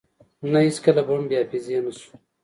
نه هیڅکله به هم بی حافظی نشو